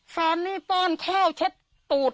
แฟนนี่ป้อนข้าวเช็ดตูด